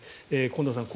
近藤さん